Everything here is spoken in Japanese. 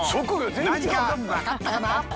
何かわかったかな？